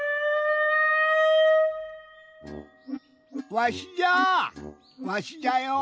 わしじゃわしじゃよ。